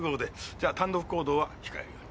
じゃあ単独行動は控えるように。